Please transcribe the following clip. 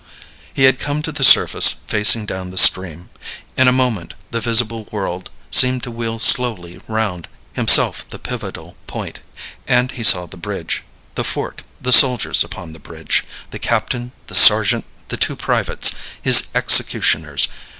He had come to the surface facing down the stream; in a moment the visible world seemed to wheel slowly round, himself the pivotal point, and he saw the bridge, the fort, the soldiers upon the bridge, the captain, the sergeant, the two privates, his executioners.